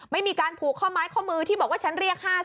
ไม่มีการผูกข้อไม้ข้อมือที่บอกว่าฉันเรียก๕๐